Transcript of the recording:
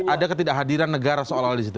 ada ketidakhadiran negara soal soal disitu